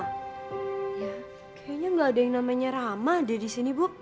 kayaknya gak ada yang namanya rama deh disini bu